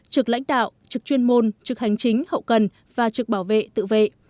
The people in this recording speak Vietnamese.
trực lãnh đạo trực chuyên môn trực hành chính hậu cần và trực bảo vệ tự vệ